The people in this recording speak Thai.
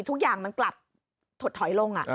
ทุกอย่างมันกลับถดถอยลง